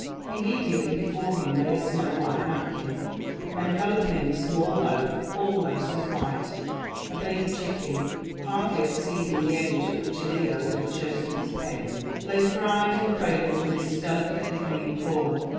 Immediately before him lay a snow while napkin, enveloping a small loaf almost as vvhite ; a baby chicken, hardly exceeding the age at which Elia would have chosen his pig, lay fried and cradled amidst delicately green corn.